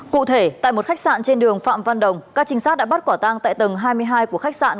cụ thể tại một khách sạn trên đường phạm văn đồng các trinh sát đã bắt quả tang tại tầng hai mươi hai của khách sạn